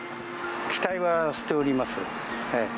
期待はしております。